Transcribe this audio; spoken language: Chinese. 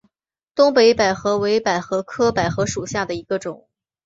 东北百合为百合科百合属下的一个种。